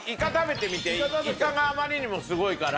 イカがあまりにもすごいから。